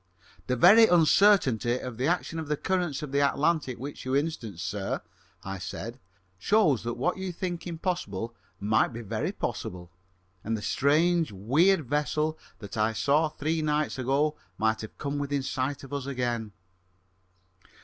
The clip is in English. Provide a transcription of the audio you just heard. "The very uncertainty of the action of the currents of the Atlantic which you instance, sir," I said, "shows that what you think impossible might be very possible, and the strange, weird vessel that I saw three nights ago might have come within sight of us again."